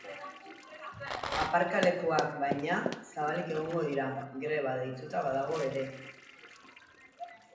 Aparkalekuak, baina, zabalik egongo dira, greba deituta badago ere.